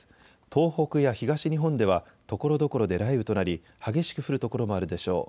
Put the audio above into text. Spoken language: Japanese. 東北や東日本ではところどころで雷雨となり激しく降る所もあるでしょう。